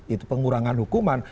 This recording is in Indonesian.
itu pengurangan hukuman